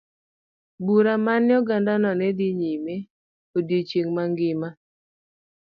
Bura ma ne ong'adno ne dhi nyime odiechieng' mangima.